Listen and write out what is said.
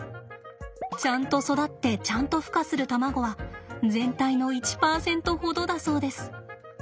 ちゃんと育ってちゃんとふ化する卵は全体の１％ほどだそうです。